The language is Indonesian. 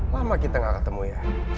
lama kita gak ketemu ya